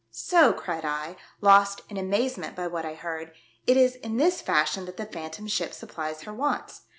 "So," cried I, lost in amazement by what I heard, " it is in this fashion that the Phantom Ship supplies her wants.